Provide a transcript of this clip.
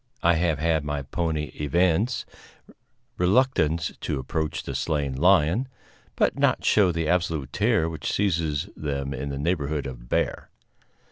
I have had my pony evince reluctance to approach the slain lion, but not show the absolute terror which seizes them in the neighborhood of bear.